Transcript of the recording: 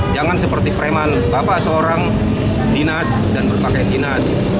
jangan seperti preman bapak seorang dinas dan berpakai dinas